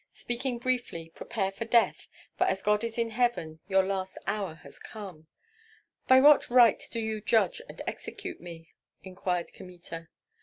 Speaking briefly, prepare for death, for as God is in heaven your last hour has come." "By what right do you judge and execute me?" inquired Kmita.